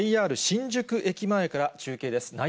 ＪＲ新宿駅前から中継です。